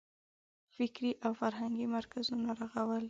فکري او فرهنګي مرکزونه رغول.